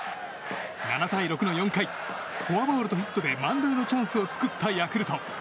７対６の４回フォアボールとヒットで満塁のチャンスを作ったヤクルト。